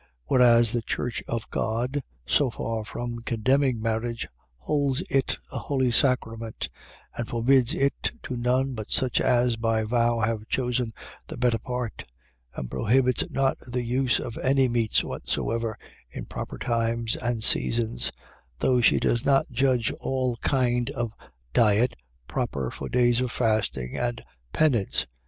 Whereas the church of God, so far from condemning marriage, holds it a holy sacrament; and forbids it to none but such as by vow have chosen the better part: and prohibits not the use of any meats whatsoever in proper times and seasons; though she does not judge all kind of diet proper for days of fasting and penance.